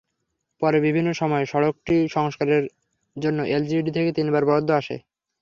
পরে বিভিন্ন সময়ে সড়কটি সংস্কারের জন্য এলজিইডি থেকে তিনবার বরাদ্দ আসে।